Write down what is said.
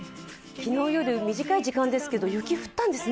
昨日夜、短い時間ですけれども雪降ったんですね。